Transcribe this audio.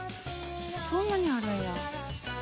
そんなにあるんや。